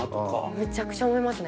むちゃくちゃ思いますね。